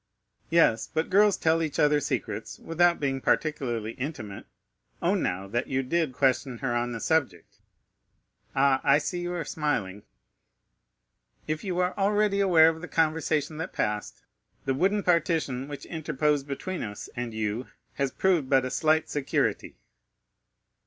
"Yes, but girls tell each other secrets without being particularly intimate; own, now, that you did question her on the subject. Ah, I see you are smiling." "If you are already aware of the conversation that passed, the wooden partition which interposed between us and you has proved but a slight security."